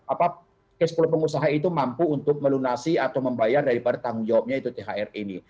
apa cash flow pengusaha itu mampu untuk melunasi atau membayar daripada tanggung jawabnya itu thr ini